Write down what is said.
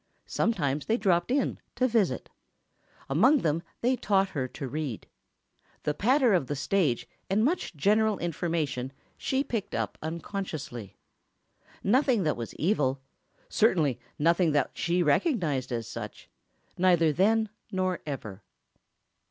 Sometimes they dropped in, to visit. Among them they taught her to read. The patter of the stage and much general information she picked up unconsciously. Nothing that was evil—certainly nothing that she recognized as such—neither then nor ever.